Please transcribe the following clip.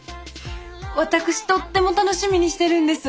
私とっても楽しみにしてるんです。